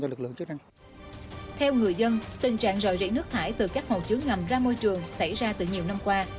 theo người dân tình trạng ròi rị nước thải từ các hồ chứa ngầm ra môi trường xảy ra từ nhiều năm qua